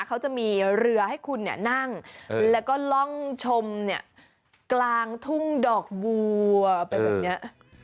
เขาจะมีเรือให้คุณนั่งแล้วก็ล่องชมกลางทุ่งดอกบัวไปแบบนี้